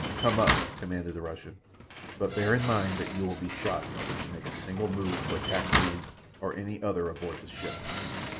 "Come up," commanded the Russian. "But bear in mind that you will be shot if you make a single move to attack me or any other aboard the ship."